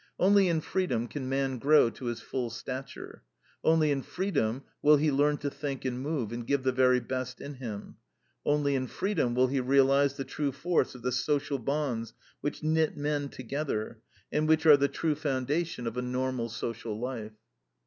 Only in freedom can man grow to his full stature. Only in freedom will he learn to think and move, and give the very best in him. Only in freedom will he realize the true force of the social bonds which knit men together, and which are the true foundation of a normal social life.